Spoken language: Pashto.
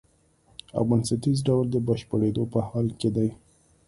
او بنسټیز ډول د بشپړېدو په حال کې دی.